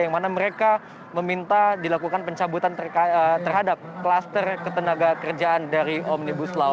yang mana mereka meminta dilakukan pencabutan terhadap kluster ketenaga kerjaan dari omnibus law